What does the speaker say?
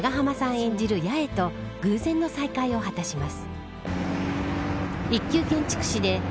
演じる八重と偶然の再会を果たします。